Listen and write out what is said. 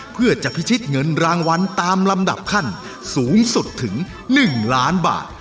เพื่อจะพิชิตเงินรางวัลตามลำดับขั้นสูงสุดถึง๑ล้านบาท